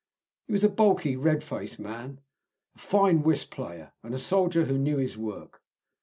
He was a bulky, red faced man, a fine whist player, and a soldier who knew his work.